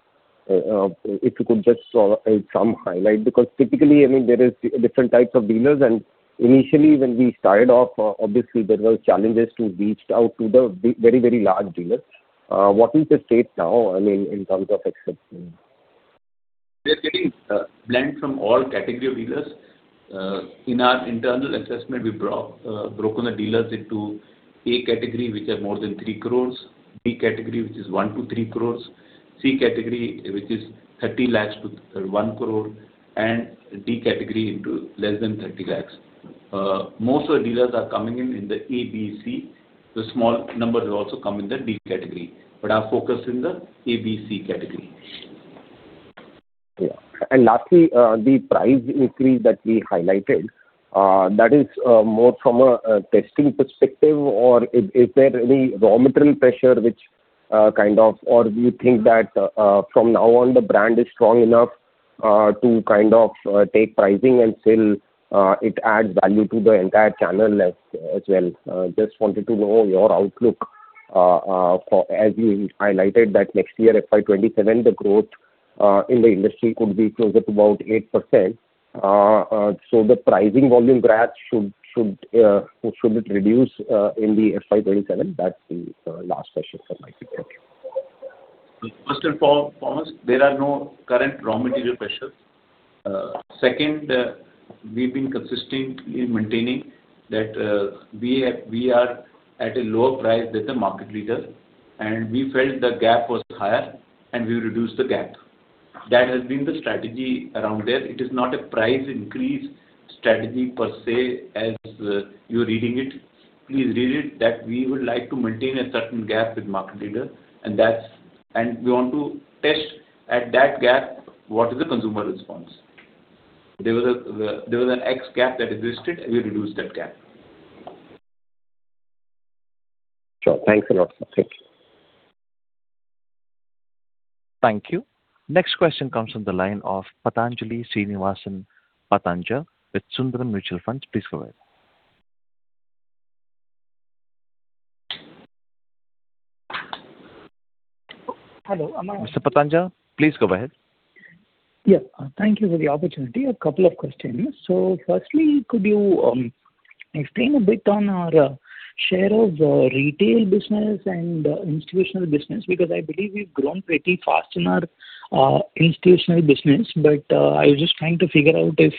if you could just sort of some highlight, because typically, I mean, there is different types of dealers, and initially, when we started off, obviously there were challenges to reach out to the very, very large dealers. What is the state now, I mean, in terms of acceptance? We are getting a blend from all category of dealers. In our internal assessment, we broke the dealers into A category, which are more than 3 crores; B category, which is 1 crore to 3 crores; C category, which is 30 lakhs to 1 crore; and D category into less than 30 lakhs. Most of the dealers are coming in in the A, B, C. The small numbers also come in the D category, but our focus in the A, B, C category. Yeah. Lastly, the price increase that we highlighted, that is more from a testing perspective or is there any raw material pressure which kind of, or do you think that from now on, the brand is strong enough to kind of take pricing, and still it adds value to the entire channel as well? Just wanted to know your outlook for as you highlighted that next year, FY 2027, the growth in the industry could be closer to about 8%. So the pricing volume perhaps should it reduce in the FY 2027? That's the last question from my side. First and foremost, there are no current raw material pressures. Second, we've been consistent in maintaining that we are at a lower price than the market leader, and we felt the gap was higher, and we reduced the gap. That has been the strategy around it. It is not a price increase strategy per se, as you're reading it. Please read it, that we would like to maintain a certain gap with market leader, and that's and we want to test at that gap, what is the consumer response? There was an X gap that existed, and we reduced that gap. Sure. Thanks a lot, sir. Thank you. Thank you. Next question comes from the line of Pathanjali Srinivasan Pathanja with Sundaram Mutual Funds. Please go ahead. Hello, ama- Mr. Pathanja, please go ahead. Yeah. Thank you for the opportunity. A couple of questions. So firstly, could you explain a bit on our share of retail business and institutional business? Because I believe we've grown pretty fast in our institutional business, but I was just trying to figure out if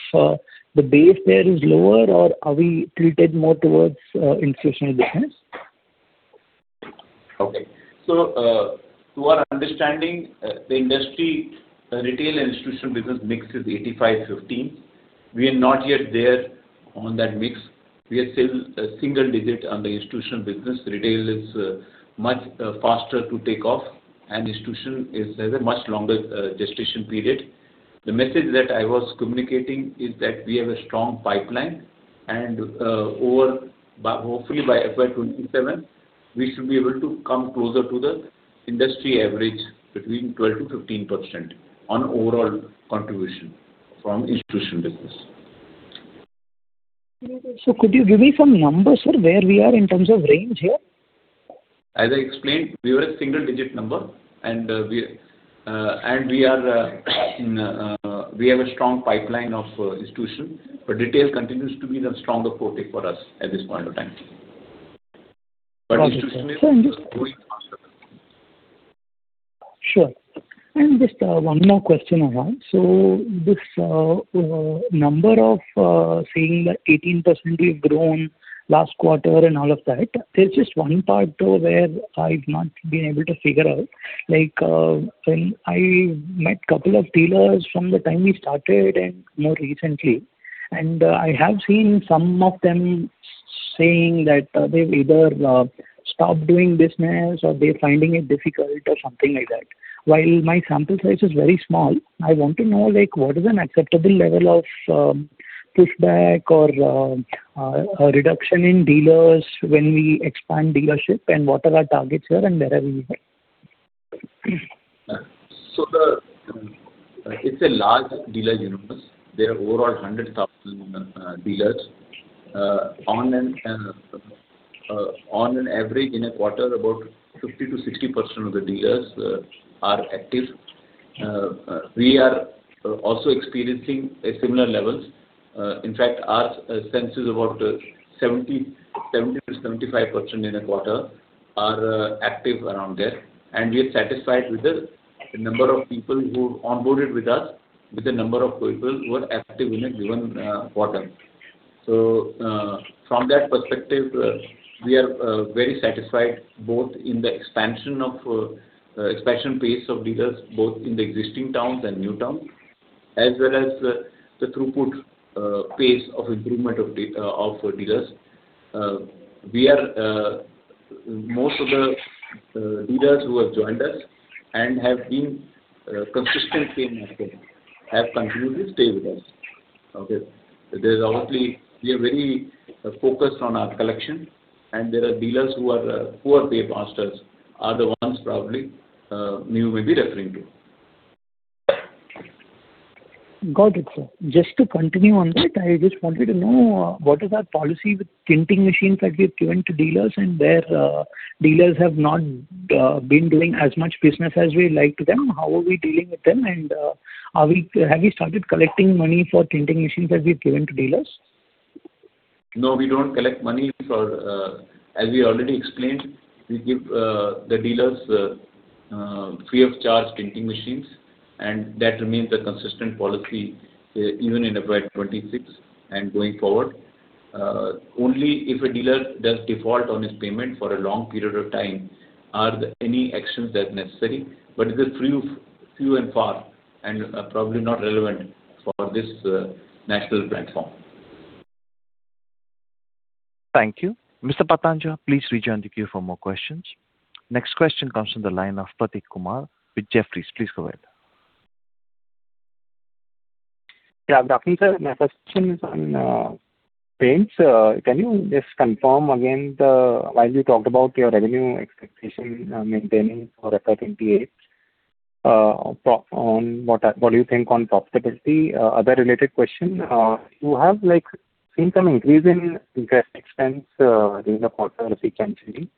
the base there is lower or are we tilted more towards institutional business? Okay. So, to our understanding, the industry, retail and institutional business mix is 85-15. We are not yet there on that mix. We are still a single digit on the institutional business. Retail is, much, faster to take off, and institutional is has a much longer, gestation period. The message that I was communicating is that we have a strong pipeline, and, over, by hopefully, by FY 2027, we should be able to come closer to the industry average between 12%-15% on overall contribution from institutional business. Could you give me some numbers, sir, where we are in terms of range here? As I explained, we were a single digit number, and we are. We have a strong pipeline of institutional, but retail continues to be the stronger focus for us at this point of time. But institutional is going faster. Sure. And just, one more question around. So this, number of, saying that 18% you've grown last quarter and all of that, there's just one part, though, where I've not been able to figure out. Like, when I met a couple of dealers from the time we started and more recently, and, I have seen some of them saying that, they've either, stopped doing business or they're finding it difficult or something like that. While my sample size is very small, I want to know, like, what is an acceptable level of, pushback or, a reduction in dealers when we expand dealership, and what are our targets here and where are we here? So, it's a large dealer universe. There are over 100,000 dealers. On an average in a quarter, about 50%-60% of the dealers are active. We are also experiencing a similar levels. In fact, our sense is about 70%-75% in a quarter are active around there. And we are satisfied with the number of people who onboarded with us, with the number of people who are active in a given quarter. So, from that perspective, we are very satisfied both in the expansion pace of dealers both in the existing towns and new towns, as well as the throughput pace of improvement of dealers. We are most of the dealers who have joined us and have been consistent in marketing have continued to stay with us. Okay? There's obviously... We are very focused on our collection, and there are dealers who are pay masters, are the ones probably you may be referring to. Got it, sir. Just to continue on that, I just wanted to know what is our policy with tinting machines that we've given to dealers, and where dealers have not been doing as much business as we like to them, how are we dealing with them? And, have we started collecting money for tinting machines that we've given to dealers? No, we don't collect money for, as we already explained, we give the dealers free of charge tinting machines, and that remains a consistent policy, even in April 2026 and going forward. Only if a dealer does default on his payment for a long period of time, are there any actions that are necessary, but it is few and far, and probably not relevant for this national platform. Thank you. Mr. Pathanja, please rejoin the queue for more questions. Next question comes from the line of Prateek Kumar with Jefferies. Please go ahead. Yeah, good afternoon, sir. My question is on paints. Can you just confirm again, the while you talked about your revenue expectation, maintaining for FY 2028, on what are, what do you think on profitability? Other related question, you have, like, seen some increase in interest expense, during the quarter, if we can see.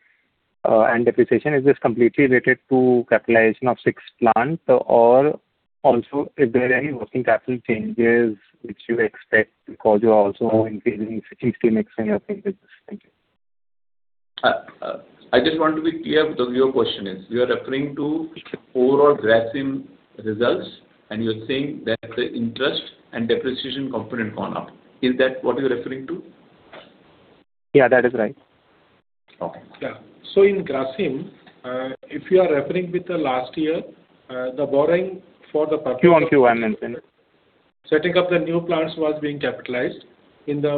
And depreciation, is this completely related to capitalization of sixth plant, or also if there are any working capital changes which you expect because you're also increasing city mix in your paint business? Thank you. I just want to be clear with what your question is. You are referring to overall Grasim results, and you're saying that the interest and depreciation component gone up. Is that what you're referring to? Yeah, that is right. Okay. Yeah. So in Grasim, if you are referring with the last year, the borrowing for the- Q-on-Q, I meant. Setting up the new plants was being capitalized. In the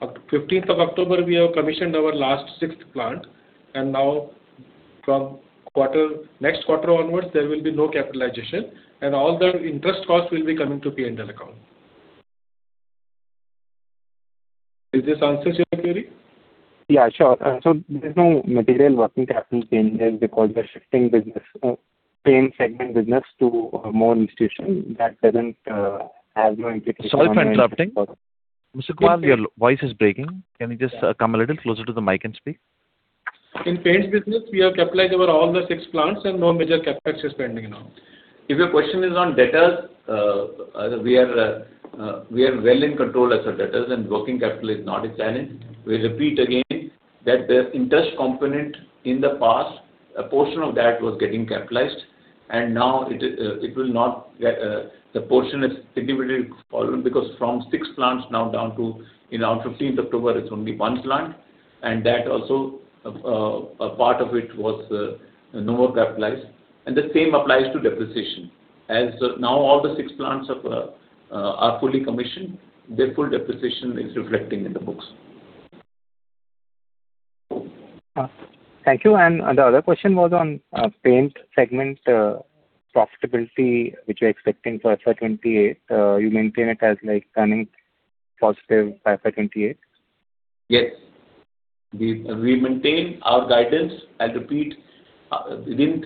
October 15th, we have commissioned our last sixth plant, and now from next quarter onwards, there will be no capitalization, and all the interest costs will be coming to P&L account. Is this answers your query? Yeah, sure. So there's no material working capital changes because we're shifting business, paint segment business to more institution that doesn't have no implication- Sorry for interrupting. Mr. Kumar, your voice is breaking. Can you just, come a little closer to the mic and speak? In paints business, we have capitalized over all the six plants, and no major CapEx is pending now. If your question is on debtors, we are well in control of our debtors, and working capital is not a challenge. We repeat again, that the interest component in the past, a portion of that was getting capitalized, and now it, it will not, the portion is significantly fallen, because from six plants now down to, in around fifteenth October, it's only one plant, and that also, a part of it was, no more capitalized. And the same applies to depreciation. As now all the six plants have, are fully commissioned, their full depreciation is reflecting in the books. Thank you. The other question was on paint segment profitability, which you're expecting for FY 2028. You maintain it as like earning positive by FY 2028? Yes. We, we maintain our guidance. I repeat, within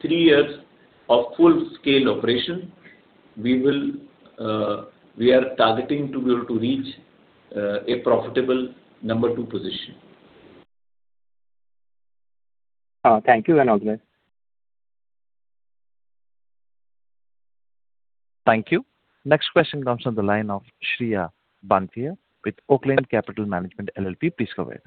three years of full-scale operation, we will, we are targeting to be able to reach, a profitable number two position. Thank you and all the best. Thank you. Next question comes on the line of Shreya Banthia with Oaklane Capital Management LLP. Please go ahead.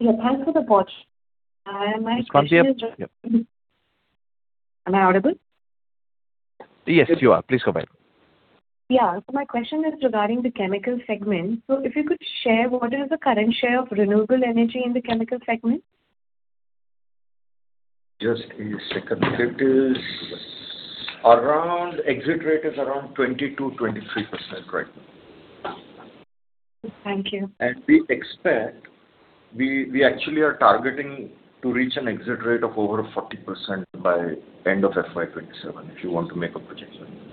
Yeah, thanks for the watch. My question is- Yes, Banthia. Yep. Am I audible? Yes, you are. Please go ahead. Yeah. So my question is regarding the chemical segment. If you could share, what is the current share of renewable energy in the chemical segment? Just a second. It is around, exit rate is around 20%-23% right now. Thank you. We expect, we actually are targeting to reach an exit rate of over 40% by end of FY 2027, if you want to make a projection.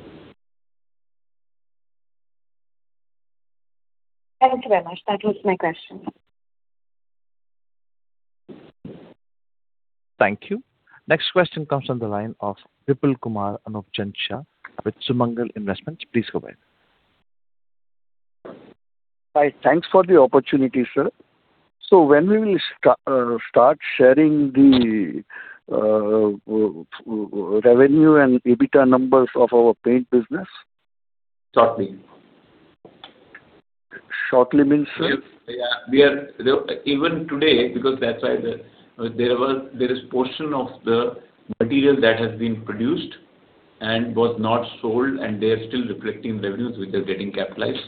Thank you very much. That was my question. Thank you. Next question comes on the line of Vipul Kumar Anupchand with Sumangal Investments. Please go ahead. Hi. Thanks for the opportunity, sir. So when we will start sharing the revenue and EBITDA numbers of our paint business? Shortly. Shortly means, sir? Yes. Yeah, we are even today, because that's why the, there was, there is portion of the material that has been produced and was not sold, and they are still reflecting revenues, which are getting capitalized.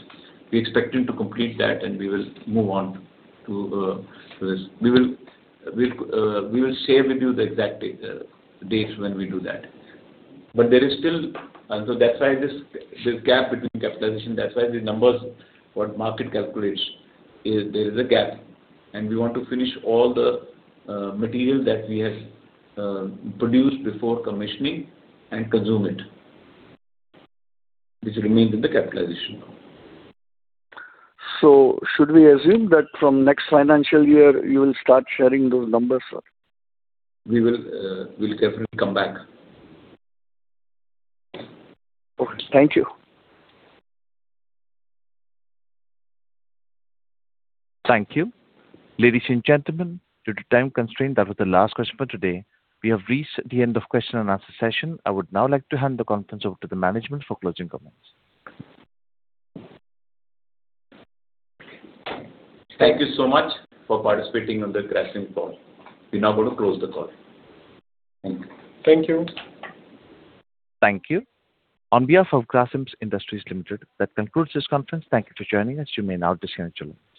We expecting to complete that, and we will move on to this. We will share with you the exact date, dates when we do that. But there is still... And so that's why this, this gap between capitalization, that's why the numbers, what market calculates, is there is a gap, and we want to finish all the material that we have produced before commissioning and consume it, which remains in the capitalization. Should we assume that from next financial year, you will start sharing those numbers, sir? We will, we'll definitely come back. Okay. Thank you. Thank you. Ladies and gentlemen, due to time constraint, that was the last question for today. We have reached the end of question and answer session. I would now like to hand the conference over to the management for closing comments. Thank you so much for participating on the Grasim call. We're now going to close the call. Thank you. Thank you. Thank you. On behalf of Grasim Industries Limited, that concludes this conference. Thank you for joining us. You may now disconnect your line.